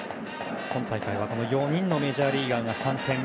今大会は４人のメジャーリーガーが参戦。